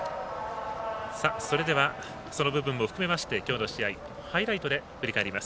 それでは、その部分を含めましてきょうの試合ハイライトで振り返ります。